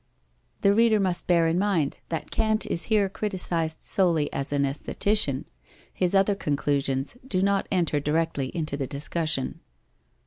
The reader must bear in mind that Kant is here criticized solely as an aesthetician: his other conclusions do not enter directly into the discussion.